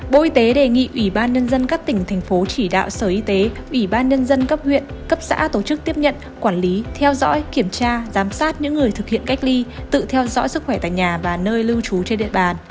bộ y tế đề nghị ủy ban nhân dân các tỉnh thành phố chỉ đạo sở y tế ủy ban nhân dân cấp huyện cấp xã tổ chức tiếp nhận quản lý theo dõi kiểm tra giám sát những người thực hiện cách ly tự theo dõi sức khỏe tại nhà và nơi lưu trú trên địa bàn